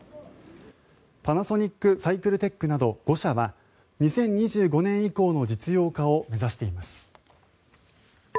パナソニックサイクルテックなど５社は２０２５年以降の実用化を目指しています。